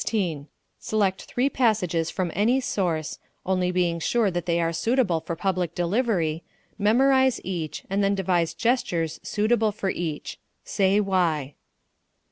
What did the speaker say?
Select three passages from any source, only being sure that they are suitable for public delivery, memorize each, and then devise gestures suitable for each. Say why.